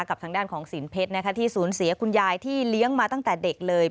กับทางด้านของศีลเพชรที่สูญเสียคุณยายที่เลี้ยงมาตั้งแต่เด็กเลย